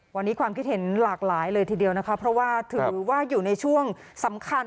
วันนี้ความคิดเห็นหลากหลายเลยทีเดียวนะคะเพราะว่าถือว่าอยู่ในช่วงสำคัญ